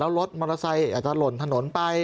รถมอเตอร์ไซค์อาจจะหล่นถนนไป